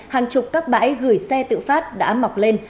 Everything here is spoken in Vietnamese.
hàng chục các bãi gửi xe tự phát đã mọc lên